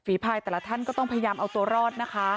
พายแต่ละท่านก็ต้องพยายามเอาตัวรอดนะคะ